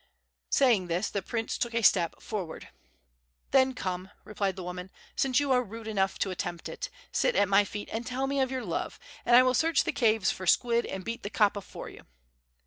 Saying this, the prince took a step forward. "Then come," replied the woman, "since you are rude enough to attempt it. Sit at my feet and tell me of your love, and I will search the caves for squid and beat the kapa for you."